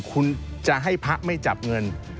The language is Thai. คุณจะให้พระไม่จับเงิน